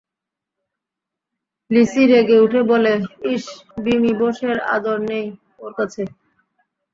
লিসি রেগে উঠে বলে, ইস, বিমি বোসের আদর নেই ওঁর কাছে!